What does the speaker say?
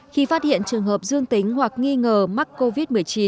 khi phát hiện trường hợp dương tính hoặc nghi ngờ mắc covid một mươi chín